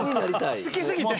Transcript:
もう好きすぎて。